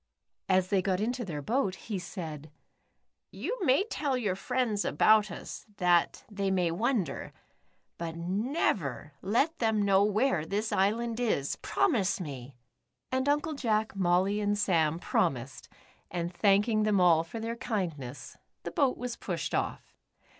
As they got into their boat, he said: "You may tell your friends about us, that they may wonder, but never let them know w^here this island is. Promise me," and Uncle Jack, Molly, and Sam promised, and thanking them all for their kind ness, the boat was pushed off.